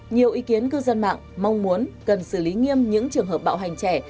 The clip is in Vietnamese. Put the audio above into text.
nhiều ý kiến cư dân mạng mong muốn cần xử lý nghiêm những trường hợp bạo hành trẻ